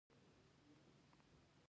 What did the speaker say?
نفت د افغان ښځو په ژوند کې رول لري.